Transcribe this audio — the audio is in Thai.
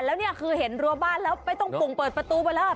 แล้วเมื่อเห็นรัวบ้านแล้วไปตรงปุ่งเปิดประตูอีกแล้ว